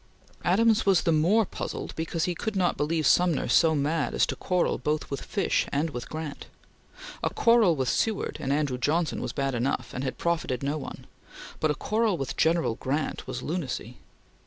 Adams was the more puzzled because he could not believe Sumner so mad as to quarrel both with Fish and with Grant. A quarrel with Seward and Andrew Johnson was bad enough, and had profited no one; but a quarrel with General Grant was lunacy.